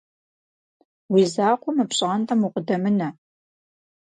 Уи закъуэ мы пщӀантӀэм укъыдэмынэ.